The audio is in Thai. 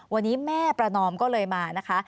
วันนี้แม่ประนอมก็เลยมานะคะ